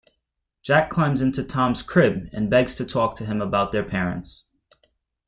Jack climbs into Tom's crib and begins to talk to him about their parents.